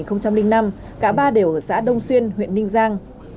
trong linh năm cả ba đều ở xã đông xuyên huyện ninh giang